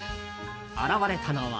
現れたのは。